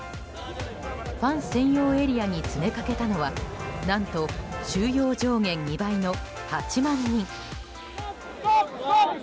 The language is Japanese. ファン専用エリアに詰めかけたのは何と、収容上限２倍の８万人。